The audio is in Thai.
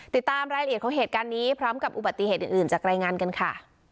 ติดตามรายละเอียดของเหตุการณ์นี้พร้อมกับอุบัติเหตุอื่นจากรายงานกันค่ะ